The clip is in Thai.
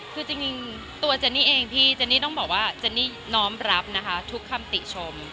คือจริงตัวเจนนี่เองพี่เจนนี่ต้องบอกว่าเจนนี่น้อมรับนะคะทุกคำติชม